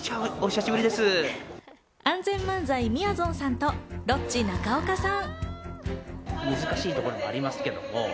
ＡＮＺＥＮ漫才・みやぞんさんとロッチ・中岡さん。